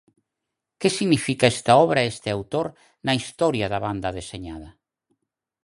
Que significa esta obra e este autor na historia da banda deseñada?